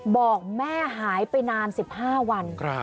บอกแม่หายไปนาน๑๕วัน